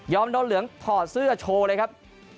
โดนเหลืองถอดเสื้อโชว์เลยครับ